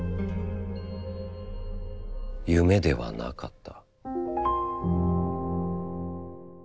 夢ではなかった」。